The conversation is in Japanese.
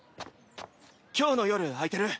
今日の夜空いてる？